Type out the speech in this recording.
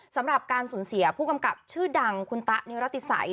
สำหรับการสูญเสียผู้กำกับชื่อดังคุณตะนิรติศัย